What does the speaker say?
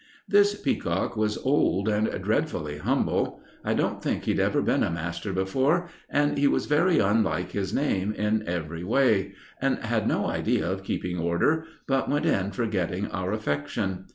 This Peacock was old and dreadfully humble. I don't think he'd ever been a master before, and he was very unlike his name in every way, and had no idea of keeping order, but went in for getting our affection.